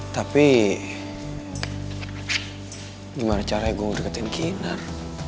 tapi gimana caranya gue ngedeketin kiner